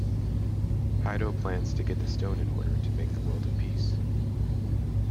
Haido plans to get the stone in order to make the world in peace.